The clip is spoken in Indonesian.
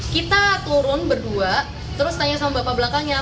kita turun berdua terus tanya sama bapak belakangnya